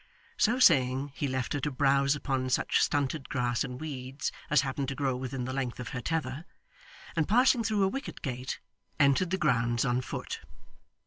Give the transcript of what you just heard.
So saying, he left her to browze upon such stunted grass and weeds as happened to grow within the length of her tether, and passing through a wicket gate, entered the grounds on foot.